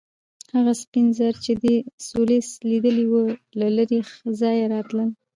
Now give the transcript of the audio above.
هغه سپین زر چې ډي سولس لیدلي وو له لرې ځایه راتلل.